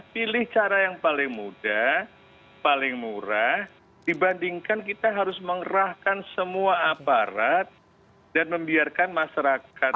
pilih cara yang paling mudah paling murah dibandingkan kita harus mengerahkan semua aparat dan membiarkan masyarakat